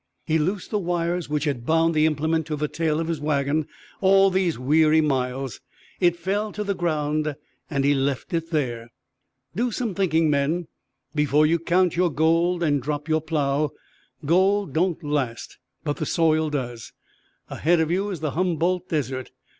He loosed the wires which had bound the implement to the tail of his wagon all these weary miles. It fell to the ground and he left it there. "Do some thinking, men, before you count your gold and drop your plow. Gold don't last, but the soil does. Ahead of you is the Humboldt Desert.